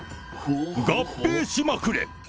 合併しまくれ。